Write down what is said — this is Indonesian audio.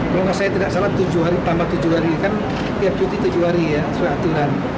kalau saya tidak salah tambah tujuh hari kan tiap cuti tujuh hari ya sesuai aturan